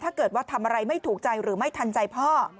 ถ้าเกิดว่าทำอะไรไม่ถูกใจหรือไม่ทันใจพ่อ